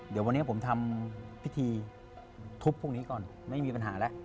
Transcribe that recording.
เดี๋ยววันนี้ผมทำพิธีทุบพวกนี้ก่อนไม่มีปัญหาแล้ว